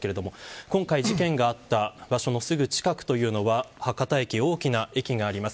今回事件があった場所のすぐ近くというのは博多駅、大きな駅があります。